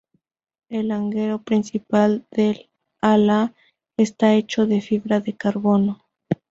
El larguero principal del ala esta hecho de fibra de carbono.